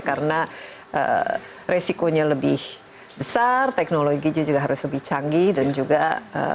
karena resikonya lebih besar teknologi juga harus lebih canggih dan juga teknologi juga harus lebih mudah